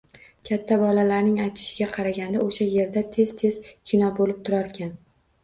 Katta bolalarning aytishiga qaraganda, o‘sha yerda tez-tez kino bo‘lib turarkan.